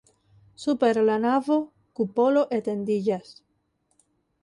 Super la navo kupolo etendiĝas.